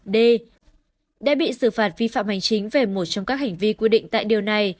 d đã bị xử phạt vi phạm hành chính về một trong các hành vi quy định tại điều này